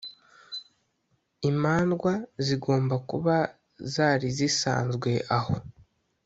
imandwa zigomba kuba zari zisanzwe aho